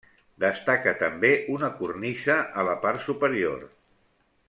Destaca també una cornisa a la part superior.